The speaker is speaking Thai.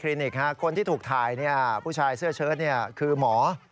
ใช่ในคลินิกคนที่ถูกถ่ายผู้ชายเสื้อเชิ้ตคือหมอ